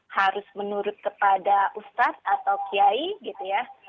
harus menurut kepada ustaz atau kiai